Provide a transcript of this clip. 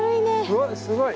うわっすごい。